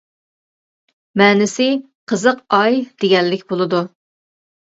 مەنىسى : «قىزىق ئاي» دېگەنلىك بولىدۇ.